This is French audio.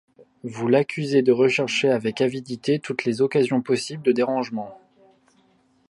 Vous l’accusez de rechercher avec avidité toutes les occasions possibles de dérangement ?